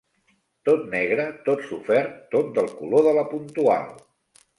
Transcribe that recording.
Tot negre, tot sofert, tot del color de «La Puntual»